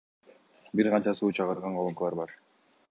Бир канча суу чыгарган колонкалар бар.